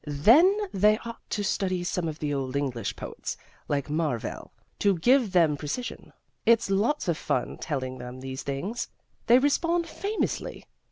Then they ought to study some of the old English poets, like Marvell, to give them precision. It's lots of fun telling them these things. They respond famously.